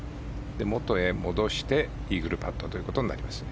元へ戻してイーグルパットということになりますね。